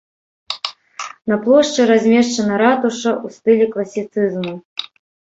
На плошчы размешчана ратуша ў стылі класіцызму.